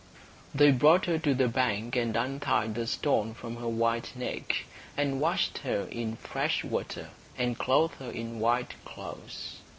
They brought her to the bank and untied the stone from her white neck, and washed her in fresh water and clothed her in white clothes.